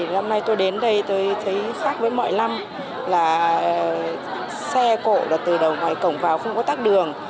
năm nay tôi đến đây tôi thấy khác với mọi năm là xe cổ là từ đầu ngoài cổng vào không có tắt đường